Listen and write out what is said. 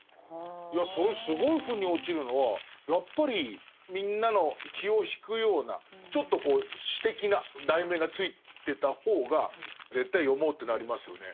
いやそれすごい腑に落ちるのはやっぱりみんなの気を引くようなちょっとこう詩的な題名が付いてた方が絶対読もうってなりますよね。